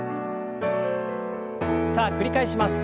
さあ繰り返します。